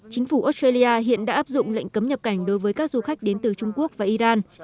chính phủ australia hiện đã áp dụng lệnh cấm nhập cảnh đối với các du khách đến từ trung quốc và iran